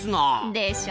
でしょ？